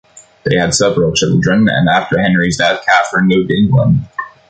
They had several children, and after Henry's death, Catherine moved to England.